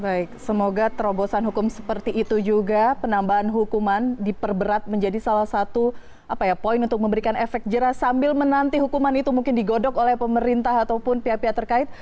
baik semoga terobosan hukum seperti itu juga penambahan hukuman diperberat menjadi salah satu poin untuk memberikan efek jerah sambil menanti hukuman itu mungkin digodok oleh pemerintah ataupun pihak pihak terkait